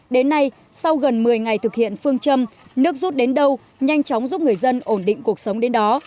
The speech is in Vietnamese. đến nay sau gần một mươi ngày thực hiện phương châm nước rút đến đâu nhanh chóng giúp người dân ổn định cuộc sống đến đó